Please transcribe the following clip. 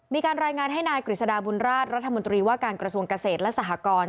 มีการรายงานให้นายกฤษฎาบุญราชรัฐมนตรีว่าการกระทรวงเกษตรและสหกร